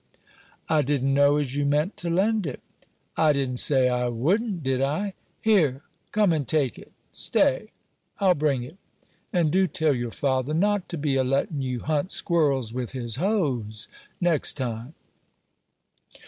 "I didn't know as you meant to lend it." "I didn't say I wouldn't, did I? Here, come and take it. stay, I'll bring it; and do tell your father not to be a lettin' you hunt squirrels with his hoes next time."